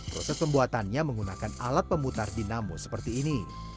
proses pembuatannya menggunakan alat pemutar dinamo seperti ini